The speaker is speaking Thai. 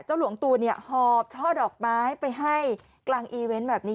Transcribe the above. หลวงตูนหอบช่อดอกไม้ไปให้กลางอีเวนต์แบบนี้